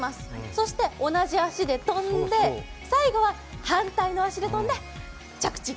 そして同じ足で跳んで、最後は反対の足で跳んで、着地。